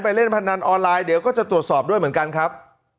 เล่นพนันออนไลน์เดี๋ยวก็จะตรวจสอบด้วยเหมือนกันครับ